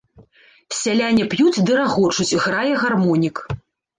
Сяляне п'юць ды рагочуць, грае гармонік.